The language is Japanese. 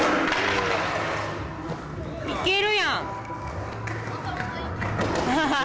いけるやん。